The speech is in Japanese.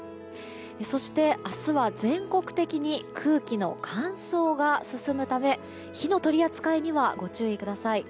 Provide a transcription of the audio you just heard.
そして、明日は全国的に空気の乾燥が進むため火の取り扱いにはご注意ください。